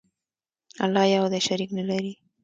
الله یو دی، شریک نه لري.